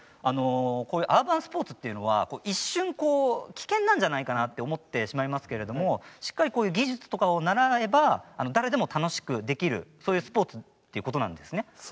アーバンスポーツというのは一瞬危険なんではないかと思ってしまいますけれどしっかり技術とかを習えば誰でも楽しくできるそういうスポーツということですね。